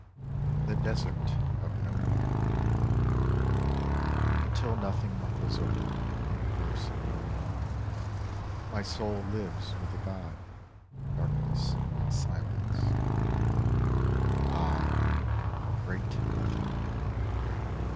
THE DESERT OF 'NO MORE' Until Nothing muffles over the Universe of No More, my soul lives with the god, darkness and silence. Ah, great Nothing